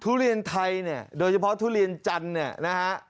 ทุเรียนไทยเนี่ยโดยเฉพาะทุเรียนจันทร์เนี่ยนะฮะ